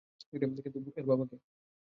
কিন্তু, এর বাবা কে?